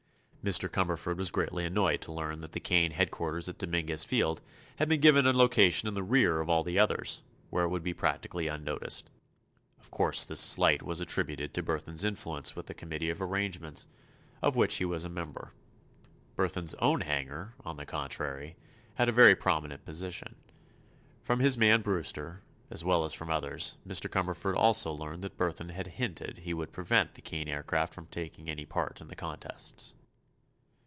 Mr. Cumberford was greatly annoyed to learn that the Kane headquarters at Dominguez Field had been given a location in the rear of all the others, where it would be practically unnoticed. Of course this slight was attributed to Burthon's influence with the committee of arrangements, of which he was a member. Burthon's own hangar, on the contrary, had a very prominent position. From his man Brewster, as well as from others, Mr. Cumberford also learned that Burthon had hinted he would prevent the Kane Aircraft from taking any part in the contests.